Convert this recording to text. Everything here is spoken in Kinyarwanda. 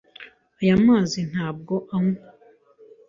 Aya mazi ntabwo anywa.